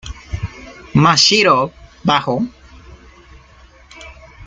Mashiro, Bajo.